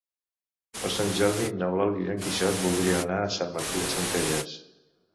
Per Sant Jordi n'Eulàlia i en Quixot voldrien anar a Sant Martí de Centelles.